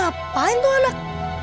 ngapain tuh anak